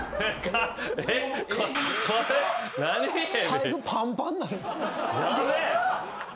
・財布パンパンなる。